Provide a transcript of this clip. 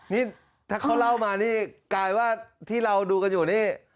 นี่ถ้าเขาเล่ามานี่กลายว่าที่เราดูกันอยู่นี่